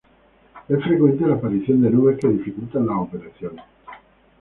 Es frecuente la aparición de nubes que dificultan las operaciones.